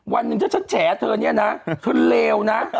วันหนึ่งถ้าฉันแฉเธอเนี่ยนะเธอเลวนะ